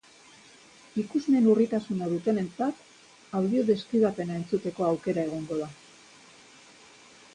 Ikusmen urritasuna dutenentzat, audiodeskribapena entzuteko aukera egongo da.